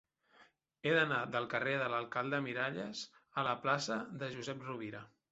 He d'anar del carrer de l'Alcalde Miralles a la plaça de Josep Rovira.